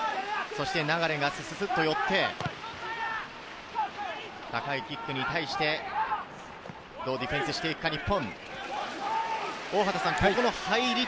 流がすすっと寄って、高いキックに対してどうディフェンスしていくか、日本。